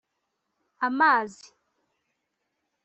amazi